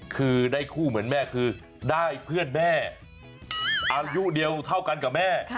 คือได้คู่เหมือนแม่คือได้เพื่อนแม่อายุเดียวเท่ากันกับแม่